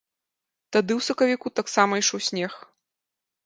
Тады ў сакавіку таксама ішоў снег.